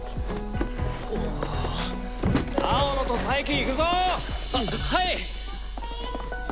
青野と佐伯いくぞ！ははい！